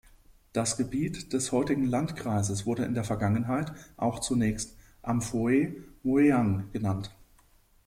Das Gebiet des heutigen Landkreises wurde in der Vergangenheit auch zunächst „Amphoe Mueang“ genannt.